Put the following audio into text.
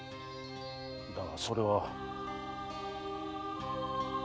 だがそれは。